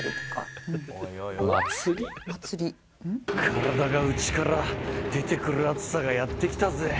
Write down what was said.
体が内から出てくる熱さがやってきたぜ。